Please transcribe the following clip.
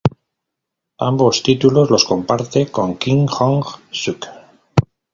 Ambos títulos los comparte con Kim Jong-suk.